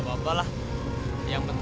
nggak ada uang nggak ada uang